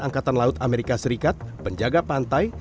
angkatan laut amerika serikat penjaga pantai